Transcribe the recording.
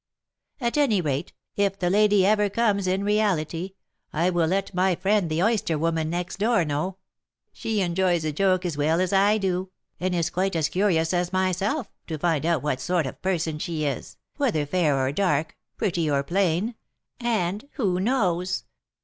At any rate, if the lady ever comes in reality, I will let my friend the oyster woman next door know; she enjoys a joke as well as I do, and is quite as curious as myself to find out what sort of person she is, whether fair or dark, pretty or plain. And who knows?